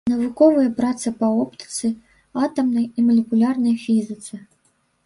Навуковыя працы па оптыцы, атамнай і малекулярнай фізіцы.